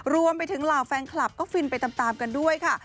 รวมไปถึงเหล่าแฟนคลับก็ฟินไปตามกันด้วยค่ะ